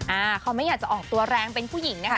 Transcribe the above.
อ่าเขาไม่อยากจะออกตัวแรงเป็นผู้หญิงนะคะ